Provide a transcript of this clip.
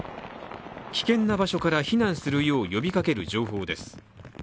危険な場所から避難するよう呼びかける情報です。